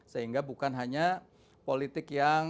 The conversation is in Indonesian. sehingga bukan hanya politik yang